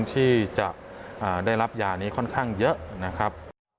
ที่จะได้รับยานี้ค่อนข้างเยอะนะครับ